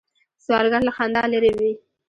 سوالګر له خندا لرې وي